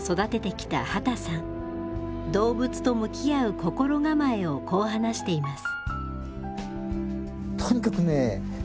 動物と向き合う心構えをこう話しています。